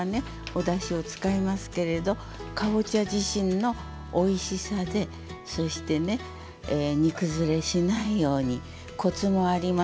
おだしを使いますけれどかぼちゃ自身のおいしさでそしてね煮崩れしないようにコツもありますのでね